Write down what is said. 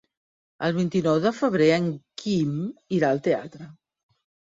El vint-i-nou de febrer en Quim irà al teatre.